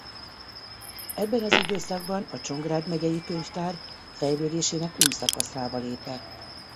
Ebben az időszakban a Csongrád Megyei Könyvtár fejlődésének új szakaszába lépett.